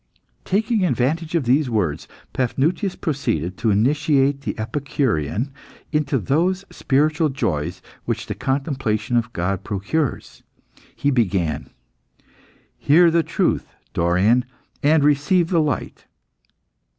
Taking advantage of these words, Paphnutius proceeded to initiate the Epicurean into those spiritual joys which the contemplation of God procures. He began "Hear the truth, Dorion, and receive the light."